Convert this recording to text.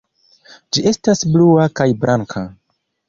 Ĝi estas blua kaj blanka.